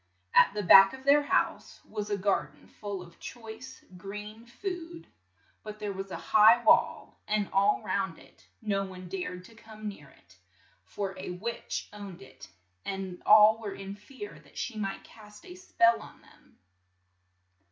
At the back of their house was a gar den full of choice green food, but there was a high wall all round it and no one dared to come near it, for a witch owned it, and all were in fear that she might cast a spell on them.